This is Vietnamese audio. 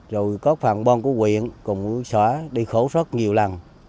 rồi có phần bôn của quyện cùng sở đi khổ sốt nhiều lần